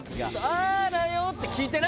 「あらよ」って聞いてないよ